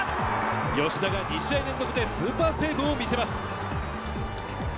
吉田が２試合連続でスーパーセーブを見せます。